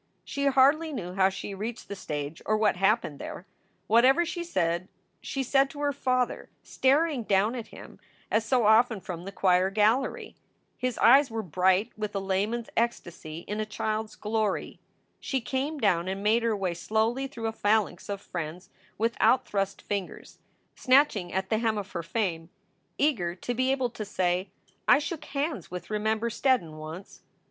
She hardly knew how she reached the stage or what happened there. Whatever she said, she said to her father, staring down at him as so often from the choir gallery. His eyes were bright with a layman s ecstasy in a child s glory. She came down and made her way slowly through a phalanx of friends with out thrust fingers, snatching at * the hem of her fame, eager to be able to say, " I shook hands with Remember Steddon once."